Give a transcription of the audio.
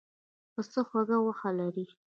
پسه خوږه غوښه لري.